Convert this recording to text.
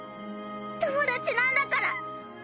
友達なんだから！